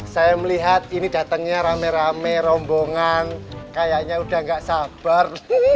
saya melihat ini datangnya rame rame rombongan kayaknya udah gak sabar